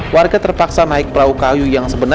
warga terpaksa naik perahu kayu yang sebenarnya